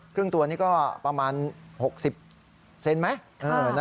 เครื่องตัวนี้ก็ประมาณ๖๐เซนติเมตรไหม